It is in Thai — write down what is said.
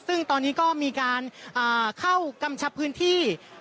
ซึ่งตอนนี้ก็มีการเข้ากำชับพื้นที่